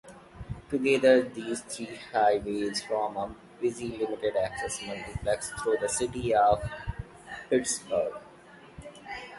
Together, these three highways form a busy, limited-access multiplex through the city of Pittsburgh.